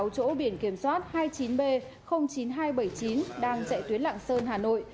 sáu chỗ biển kiểm soát hai mươi chín b chín nghìn hai trăm bảy mươi chín đang chạy tuyến lạng sơn hà nội